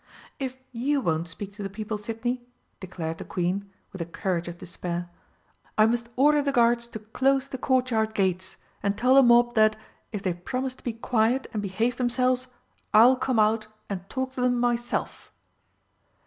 "If you won't speak to the people, Sidney," declared the Queen, with the courage of despair, "I must order the guards to close the Courtyard gates, and tell the mob that, if they promise to be quiet and behave themselves, I'll come out and talk to them myself."